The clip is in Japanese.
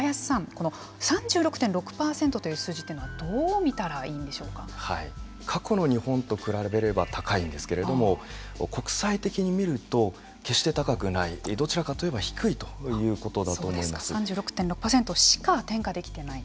小林さん、３６．６％という数字というのは過去の日本と比べれば高いんですけれども国際的に見ると決して高くないどちらかというと低いということだと思います。